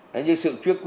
đấy như sự quyết tâm